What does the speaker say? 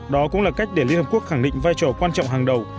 đó cũng là cách để liên hợp quốc khẳng định vai trò quan trọng hàng đầu